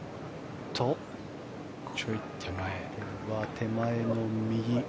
手前の右。